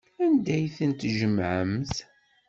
Anda ay tent-tjemɛemt?